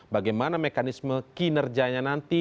bagaimana mekanisme kinerjanya nanti